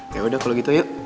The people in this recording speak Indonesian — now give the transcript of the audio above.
yaudah kalo gitu yuk